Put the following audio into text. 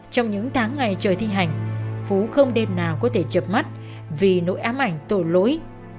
trong những tháng ngày trời thi hành phú không đêm nào có thể chập mắt vì nỗi ám ảnh tội lỗi